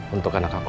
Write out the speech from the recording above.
untuk anak aku